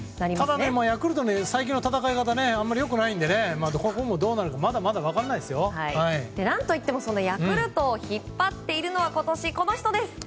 ただ、ヤクルトは最近の戦い方があまり良くないので、どうなるか何といってもヤクルトを今年引っ張っているのがこの人です。